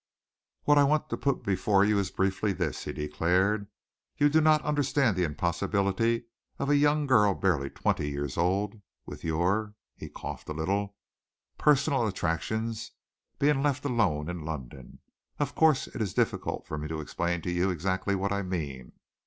"What I want to put before you is briefly this," he declared. "You do not understand the impossibility of a young girl barely twenty years old, with your" he coughed a little "personal attractions, being left alone in London. Of course, it is difficult for me to explain to you exactly what I mean."